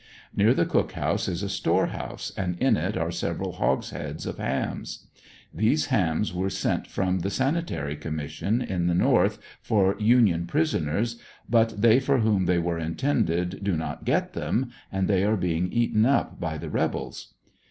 Near the cook house is a store house, and in it are several hogsheads of hams. These hams were sent from the Sani tary Commission at the North for Union prisoners, but they for whom they were intended do not get them, and they are being eaten up by the rebels.